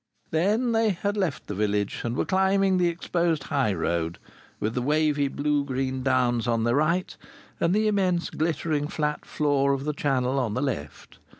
Then they had left the village and were climbing the exposed highroad, with the wavy blue green downs on the right, and the immense glittering flat floor of the Channel on the left.